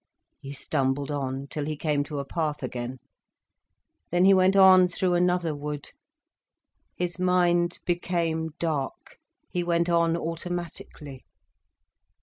He stumbled on till he came to a path again. Then he went on through another wood. His mind became dark, he went on automatically.